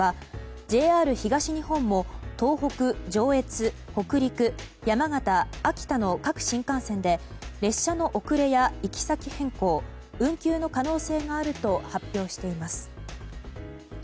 ＪＲ東日本も東北、上越北陸、山形、秋田の各新幹線で列車の遅れや行き先変更運休の可能性があると発表しています。